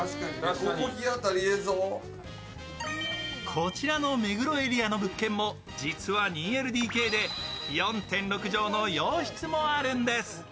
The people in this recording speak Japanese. こちらの目黒エリアの物件も実は２ＬＤＫで４．６畳の洋室もあるんです。